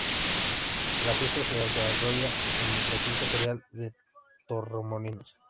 La fiesta se desarrolla en el recinto ferial de Torremolinos.